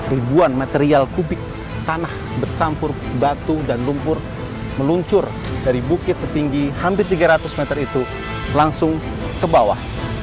ribuan material kubik tanah bercampur batu dan lumpur meluncur dari bukit setinggi hampir tiga ratus meter itu langsung ke bawah